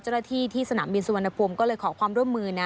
เจ้าหน้าที่ที่สนามบินสุวรรณภวมก็เลยขอความร่วมมือนะ